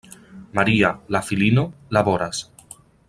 Maria, la filino, laboras.